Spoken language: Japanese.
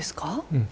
うん。